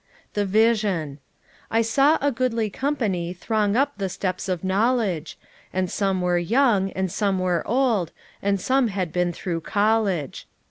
"THE VISION." "I saw a goodly company Throng up the steeps of knowledge; And some were young, and some were old, And some had been through college.